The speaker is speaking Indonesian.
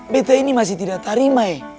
pt ini masih tidak tarimai